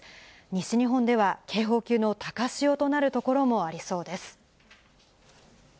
西日本では警報級の高潮となる所もありそうです。